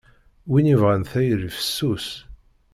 Win yebɣan tayri fessus.